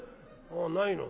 「あないの？